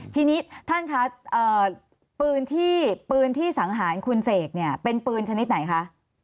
ทีนี้ท่านคะปืนที่ปืนที่สังหารคุณเสกเนี่ยเป็นปืนชนิดไหนคะ